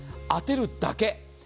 当てるだけ。